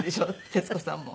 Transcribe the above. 徹子さんも。